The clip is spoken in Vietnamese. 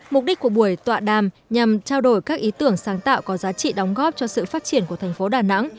mục đích của buổi tọa đàm nhằm trao đổi các ý tưởng sáng tạo có giá trị đóng góp cho sự phát triển của thành phố đà nẵng